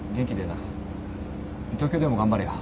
東京でも頑張れよ。